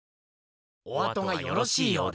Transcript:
おあとがよろしいようで。